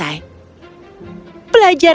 empat hari setelah beli